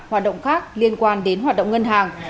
hoạt động khác liên quan đến hoạt động ngân hàng